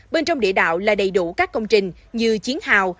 bên trong địa đạo là đầy đủ các công trình như chiến hào